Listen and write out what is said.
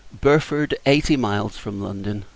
Burford, Eighty Miles from London.